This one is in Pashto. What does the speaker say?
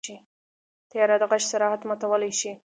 طیاره د غږ سرعت ماتولی شي.